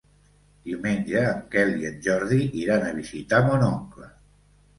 Diumenge en Quel i en Jordi iran a visitar mon oncle.